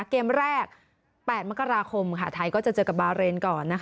เกมแรก๘มกราคมไทยก็จะเจอกับบาเรนก่อน